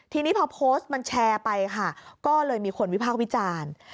ทีนี้พอโพสต์มันแชร์ไปค่ะก็เลยมีคนวิพากษ์วิจารณ์